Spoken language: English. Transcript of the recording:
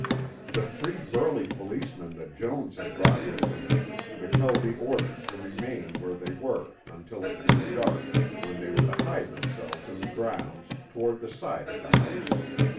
The three burly policemen that Jones had brought with him McKelvie ordered to remain where they were until it grew dark, when they were to hide themselves in the grounds, toward the side of the house.